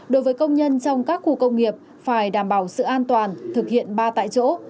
đối với công nhân trong các khu công nghiệp phải đảm bảo sự an toàn thực hiện ba tại chỗ